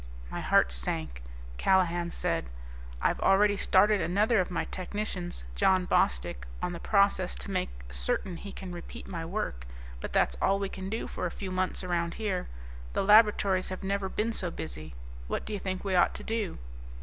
My heart sank. Callahan said, "I've already started another of my technicians, John Bostick, on the process to make certain he can repeat my work. But that's all we can do for a few months around here. The laboratories have never been so busy. What do you think we ought to do?"